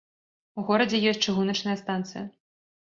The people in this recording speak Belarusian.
У горадзе ёсць чыгуначная станцыя.